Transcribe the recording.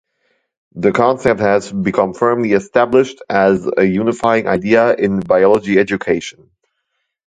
The concept has become firmly established as a unifying idea in biology education.